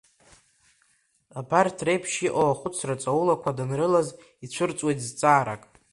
Абарҭ реиԥш иҟоу ахәыцра ҵаулақәа данрылаз ицәырҵуеит зҵаарак…